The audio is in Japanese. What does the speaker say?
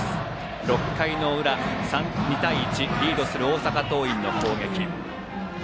６回の裏、２対１リードする大阪桐蔭の攻撃。